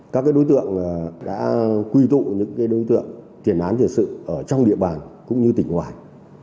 các đối tượng đã quy tụ những đối tượng tiền án tiền sự ở trong địa bàn cũng như tỉnh ngoài